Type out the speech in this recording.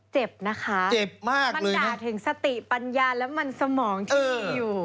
เจ็บนะคะเจ็บมากมันด่าถึงสติปัญญาและมันสมองที่มีอยู่